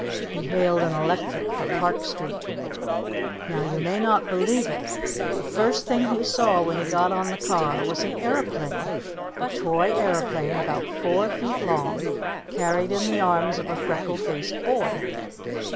He hailed an electric for Park Street. Now, you may not believe it, but the first thing he saw when he got on the car was an aeroplane a toy aeroplane about four feet long, carried in the arms of a freckle faced boy.